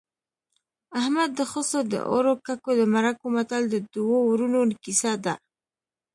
احمد د خسو د اوړو ککو د مرکو متل د دوو ورونو کیسه ده